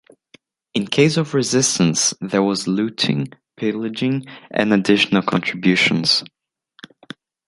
In case of resistance there was looting, pillaging and additional contributions.